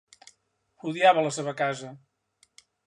Odiava la seva casa.